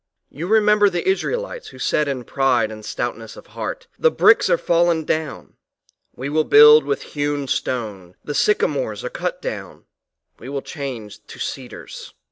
You remember the Israelites who said in pride and stoutness of heart: "The bricks are fallen down, we will build with hewn stone, the sycamores are cut down, we will change to cedars"?